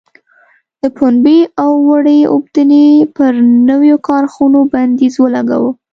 د پنبې او وړۍ اوبدنې پر نویو کارخونو بندیز ولګاوه.